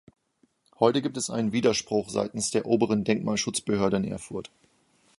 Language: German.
Heute gibt es einen Widerspruch seitens der oberen Denkmalschutzbehörde in Erfurt.